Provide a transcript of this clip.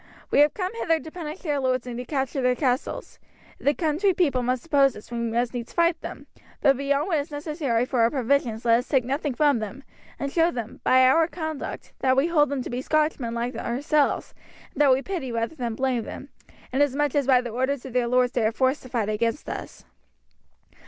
We have come hither to punish their lords and to capture their castles. If the country people oppose us we must needs fight them; but beyond what is necessary for our provisions let us take nothing from them, and show them, by our conduct, that we hold them to be Scotchmen like ourselves, and that we pity rather than blame them, inasmuch as by the orders of their lords they are forced to fight against us."